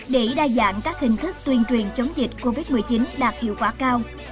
để đa dạng các hình thức tuyên truyền chống dịch covid một mươi chín đạt hiệu quả cao